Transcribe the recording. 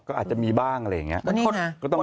ก็อาจจะมีบ้างอะไรอย่างนี้